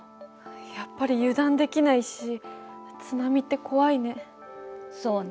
やっぱり油断できないし津波って怖いね。